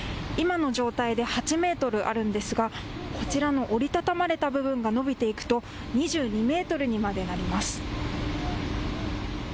今の状態で８メートルあるんですがこちらの折り畳まれた部分が伸びていくと２２メートルにまでなります。